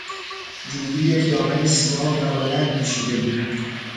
جولی یک دامن سیاه و بلند پوشیده بود.